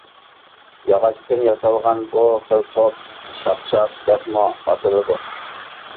ياغاچتىن ياسالغان بۇ خىل توپ «شاقشاق» دەپمۇ ئاتىلىدۇ.